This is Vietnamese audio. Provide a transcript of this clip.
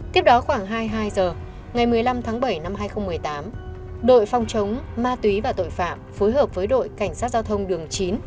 tiếp đó khoảng hai mươi hai h ngày một mươi năm tháng bảy năm hai nghìn một mươi tám đội phòng chống ma túy và tội phạm phối hợp với đội cảnh sát giao thông đường chín